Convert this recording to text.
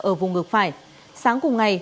ở vùng ngược phải sáng cùng ngày